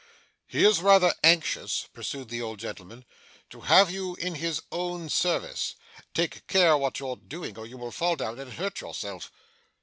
'He is rather anxious,' pursued the old gentleman, 'to have you in his own service take care what you're doing, or you will fall down and hurt yourself.